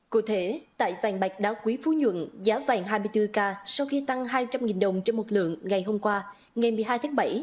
cụ thể tại vàng bạc đá quý phú nhuận giá vàng hai mươi bốn k sau khi tăng hai trăm linh đồng trên một lượng ngày hôm qua ngày một mươi hai tháng bảy